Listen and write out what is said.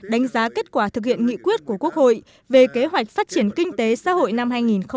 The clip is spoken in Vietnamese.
đánh giá kết quả thực hiện nghị quyết của quốc hội về kế hoạch phát triển kinh tế xã hội năm hai nghìn hai mươi